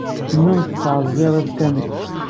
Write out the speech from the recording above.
Tennum tettɛeẓẓir iḍ kamel.